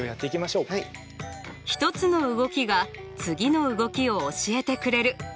１つの動きが次の動きを教えてくれる。